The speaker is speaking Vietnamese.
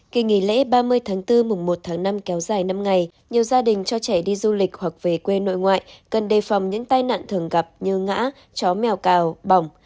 kỳ nghỉ lễ ba mươi tháng bốn mùng một tháng năm kéo dài năm ngày nhiều gia đình cho trẻ đi du lịch hoặc về quê nội ngoại cần đề phòng những tai nạn thường gặp như ngã chó mèo cào bỏng